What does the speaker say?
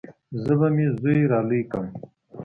زه به مې زوى رالوى کم.